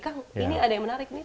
kang ini ada yang menarik nih